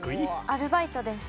アルバイトです。